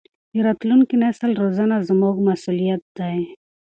د راتلونکي نسل روزنه زموږ مسؤلیت دی.